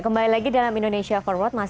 kembali lagi dalam indonesia for work